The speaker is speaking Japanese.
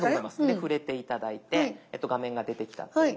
触れて頂いて画面が出てきたと思います。